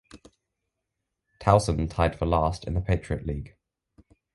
Towson tied for last in the Patriot League.